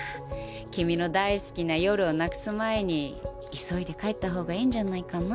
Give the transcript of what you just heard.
君の大好きな夜をなくす前に急いで帰った方がいいんじゃないかな？